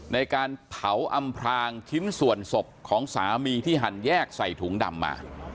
ในการเผาอำพลางชิ้นส่วนศพของสามีที่หั่นแยกใส่ถุงดำมา